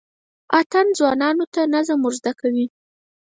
اتڼ ځوانانو ته نظم ور زده کوي.